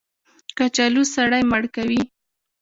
کچالو سړی مړ کوي